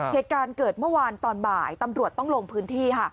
เหตุการณ์เกิดเมื่อวานตอนบ่ายตำรวจต้องลงพื้นที่ค่ะ